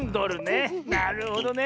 なるほどね。